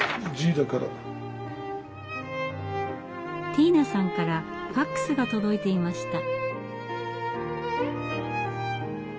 ティーナさんからＦＡＸが届いていました。